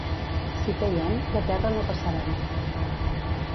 Si caiem, de terra no passarem.